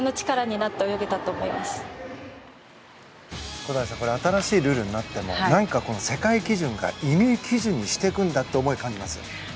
小谷さん新しいルールになっても世界基準から乾基準にしていくんだという思いを感じますね。